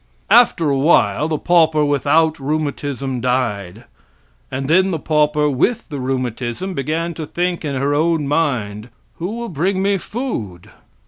After a while the pauper without rheumatism died, and then the pauper with the rheumatism began to think in her own mind, who will bring me food?